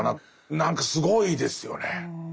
何かすごいですよね。